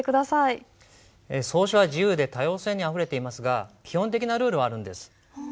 草書は自由で多様性にあふれていますが基本的なルールはあるんです。